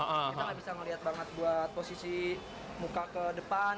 kita nggak bisa melihat banget buat posisi muka ke depan